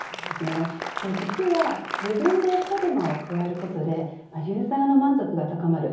実は自分でひと手間を加えることでユーザーの満足が高まる。